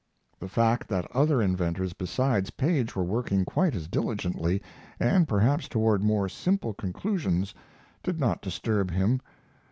The fact that other inventors besides Paige were working quite as diligently and perhaps toward more simple conclusions did not disturb him.